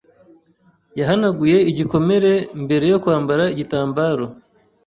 Yahanaguye igikomere mbere yo kwambara igitambaro.